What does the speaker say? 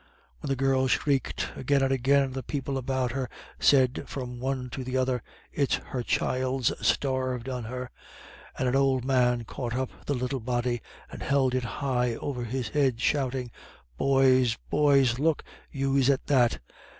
Then the girl shrieked again and again, and the people about her said from one to the other: "It's her child's starved on her." And an old man caught up the little body, and held it high over his head, shouting, "Boys, boys look yous at that.